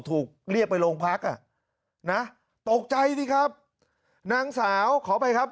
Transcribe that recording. ถูกเรียกไปโรงพักอ่ะนะตกใจสิครับนางสาวขออภัยครับ